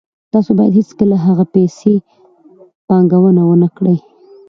تاسو باید هیڅکله هغه پیسې پانګونه ونه کړئ